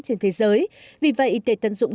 trên thế giới vì vậy để tận dụng